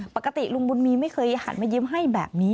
ปกติลุงบุญมีไม่เคยหันมายิ้มให้แบบนี้